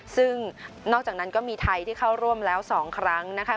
ซึ่งนอกจากนั้นก็มีไทยที่เข้าร่วมแล้ว๒ครั้งนะคะ